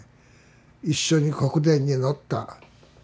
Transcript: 一緒に国電に乗った。